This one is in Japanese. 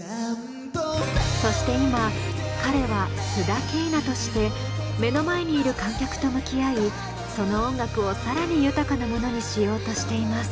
そして今彼は須田景凪として目の前にいる観客と向き合いその音楽を更に豊かなものにしようとしています。